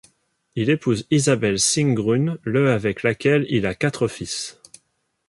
Il épouse Isabelle Singrün le avec laquelle il a quatre fils.